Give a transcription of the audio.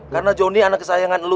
karena joni anak kesayangan lu